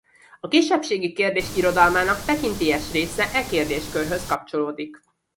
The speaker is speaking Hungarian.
A kisebbségi kérdés irodalmának tekintélyes része e kérdéskörhöz kapcsolódik.